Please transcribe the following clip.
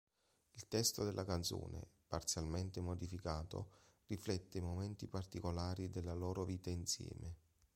Il testo della canzone, parzialmente modificato, riflette i momenti particolari della loro vita insieme.